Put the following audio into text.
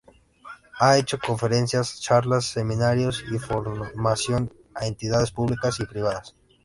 Ha hecho conferencias, charlas, seminarios y formación a entidades públicas y privadas.